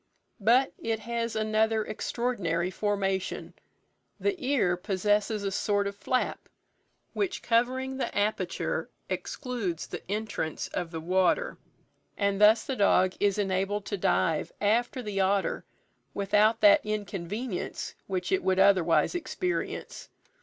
But it has another extraordinary formation; the ear possesses a sort of flap, which covering the aperture excludes the entrance of the water, and thus the dog is enabled to dive after the otter without that inconvenience which it would otherwise experience.